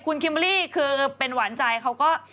คุณคิมเบอร์รี่คือเป็นหวานใจเขาก็